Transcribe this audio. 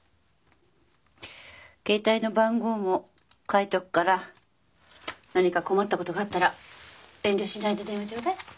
携帯の番号も書いとくから何か困ったことがあったら遠慮しないで電話ちょうだい。